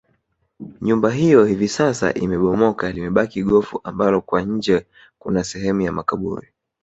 Nyumba hiyo hivi sasa imebomoka limebaki gofu ambalo kwa nje kuna sehemu ya makaburi